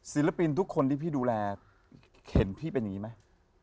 ศิลปินทุกคนที่พี่ดูแลเห็นพี่เป็นอย่างนี้ไหม